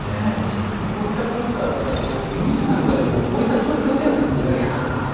しかもこういったコースターだったら麦茶なんかでも置いたらちょっと風情を感じられますよね。